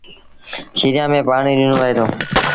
کيريآݩ ميݩ پآڻي ڏنو وهي دو